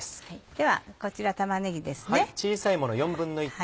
ではこちら玉ねぎですね。